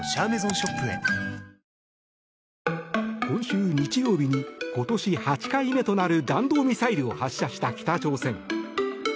今週日曜日に今年８回目となる弾道ミサイルを発射した北朝鮮。